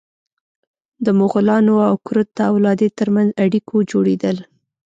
د مغولانو او کرت د اولادې تر منځ اړیکو جوړېدل.